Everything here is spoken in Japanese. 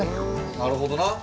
なるほどな。